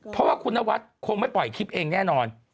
เพราะว่าคุณนวัดคงไม่ปล่อยคลิปเองแน่นอน